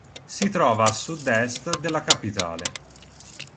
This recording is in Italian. Si trova a sud-est della capitale.